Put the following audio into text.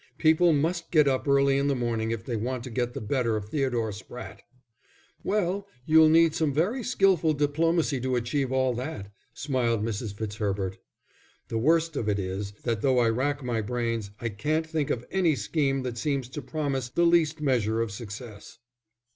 People must get up early in the morning if they want to get the better of Theodore Spratte." "Well, you'll need some very skilful diplomacy to achieve all that," smiled Mrs. Fitzherbert. "The worst of it is, that though I rack my brains I can't think of any scheme that seems to promise the least measure of success."